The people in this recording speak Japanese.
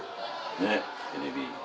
ねっテレビ。